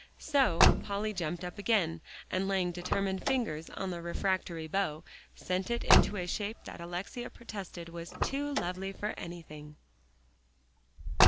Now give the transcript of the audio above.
So Polly jumped up again, and laying determined fingers on the refractory bow, sent it into a shape that Alexia protested was "too lovely for anything."